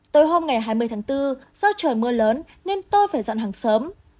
tới hôm ngày hai mươi tháng bốn do trời mưa lớn nên tôi phải dọn hàng sớm